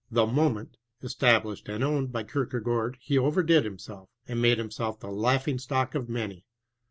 The Moment, established and owned by Kierkegaard he overdid himself, and made himself the laughing stock of many.